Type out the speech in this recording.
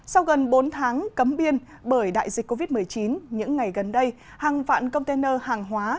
sau gần bốn tháng cấm biên bởi đại dịch covid một mươi chín những ngày gần đây hàng vạn container hàng hóa